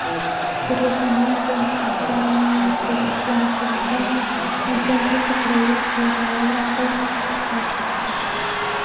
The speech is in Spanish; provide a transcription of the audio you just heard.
Curiosamente, ostentaba una atribución equivocada: entonces se creía que era obra de Masaccio.